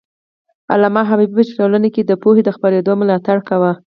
علامه حبيبي په ټولنه کي د پوهې د خپرېدو ملاتړ کاوه.